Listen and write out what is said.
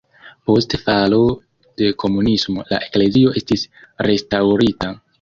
Post falo de komunismo la eklezio estis restaŭrita.